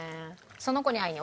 その子に会いに？